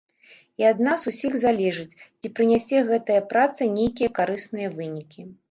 І ад нас усіх залежыць, ці прынясе гэтая праца нейкія карысныя вынікі.